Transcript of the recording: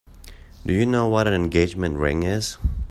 Do you know what an engagement ring is?